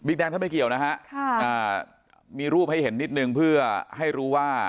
แดงท่านไม่เกี่ยวนะฮะมีรูปให้เห็นนิดนึงเพื่อให้รู้ว่า